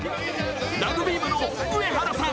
ラグビー部の上原さん。